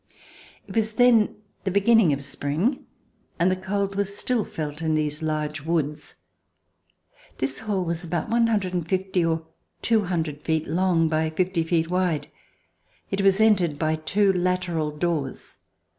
It was then the beginning of spring and the cold was still felt in these large woods. This hall was about 150 or 200 feet long by 50 feet wide. It was entered by two lateral doors.